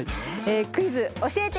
「クイズ教えて！